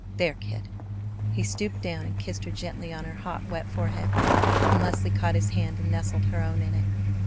There, kid!" He stooped down, and kissed her gently on her hot, wet forehead; and Leslie caught his hand and nestled her own in it.